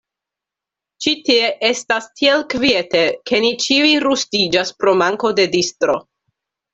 Ĉi tie estas tiel kviete ke ni ĉiuj rustiĝas pro manko de distro.